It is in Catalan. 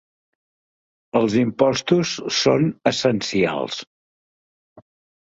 Els impostos són essencials.